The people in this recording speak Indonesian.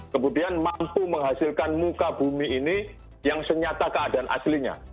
kemudian mampu menghasilkan muka bumi ini yang senyata keadaan aslinya